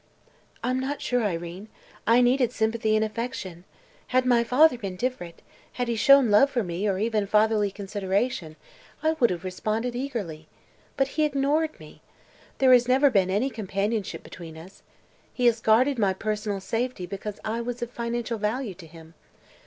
"I'm not sure, Irene. I needed sympathy and affection. Had my father been different, had he shown love for me, or even fatherly consideration, I would have responded eagerly. But he ignored me. There has never been any companionship between us. He has guarded my personal safety because I was of financial value to him.